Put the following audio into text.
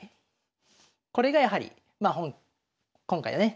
これがやはり今回のね